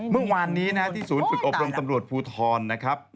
เมื่อวานนี้ที่ศูนย์ฝึกอบรมตำรวจภูทรนะครับ